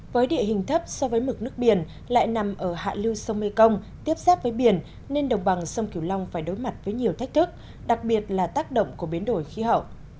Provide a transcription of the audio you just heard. với địa hình thấp so với mực nước biển lại nằm ở hạ lưu sông mê công tiếp xác với biển nên đồng bằng sông kiều long phải đối mặt với nhiều thách thức đặc biệt là tác động của biến đổi khí hậu